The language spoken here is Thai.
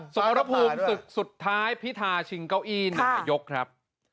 สมรภูมิศึกสุดท้ายพิธาชิงเก้าอี้นายกครับ